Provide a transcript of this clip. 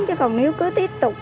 chứ còn nếu cứ tiếp tục